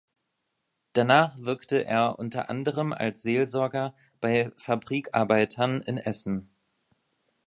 Danach wirkte er unter anderem als Seelsorger bei Fabrikarbeitern in Essen.